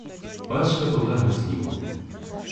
Пасха была на снегу.